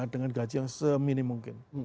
dengan gaji yang seminim mungkin